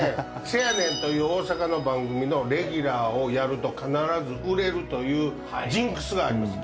「せやねん！」という大阪の番組のレギュラーをやると必ず売れるというジンクスがあります